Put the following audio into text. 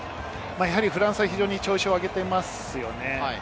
フランスは非常に調子を上げていますね。